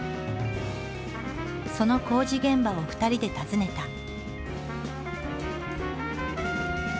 その工事現場を２人で訪ねた。